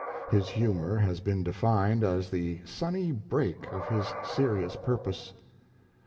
His humour has been defined as the sunny break of his serious purpose.